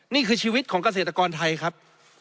นี่คือชีวิตของเกษตรกรไทยครับ